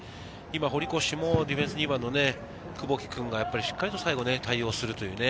堀越もディフェンス２番の久保木君がしっかりと最後、対応するというね。